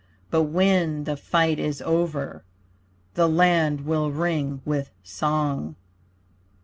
But when the fight is over The land will ring with song.